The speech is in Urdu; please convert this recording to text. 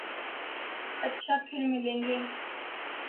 اچھا پھر ملیں گے۔